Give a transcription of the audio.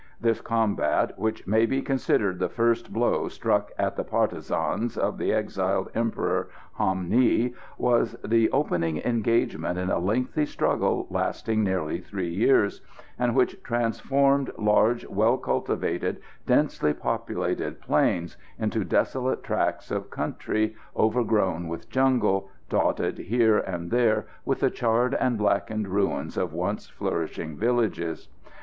This combat, which may be considered the first blow struck at the partisans of the exiled Emperor Ham Nghi, was the opening engagement in a lengthy struggle lasting nearly three years, and which transformed large, well cultivated, densely populated plains into desolate tracts of country, overgrown with jungle, dotted here and there with the charred and blackened ruins of once flourishing villages.